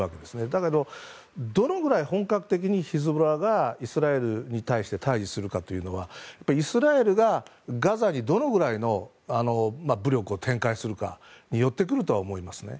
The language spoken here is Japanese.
だけど、どのぐらい本格的にヒズボラがイスラエルに対して対峙するかというのはイスラエルがガザにどのくらいの武力を展開するかによってくると思います。